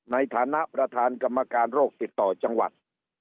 ในฐานะประธานกรรมการโรคติดต่อจังหวัด